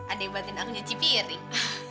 andai buatin aku nyuci piring